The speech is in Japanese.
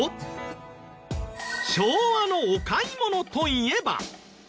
昭和のお買い物といえば。